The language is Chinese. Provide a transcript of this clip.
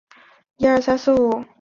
她死后葬于圣体修道院。